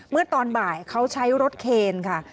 เมื่อตอนบ่ายเขาใช้รถเคนค่ะ